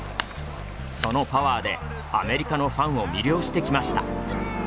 そのパワーでアメリカのファンを魅了してきました。